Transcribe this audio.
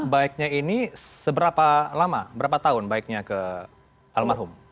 baiknya ini seberapa lama berapa tahun baiknya ke almarhum